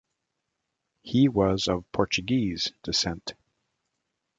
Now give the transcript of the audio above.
He was of Portuguese descent.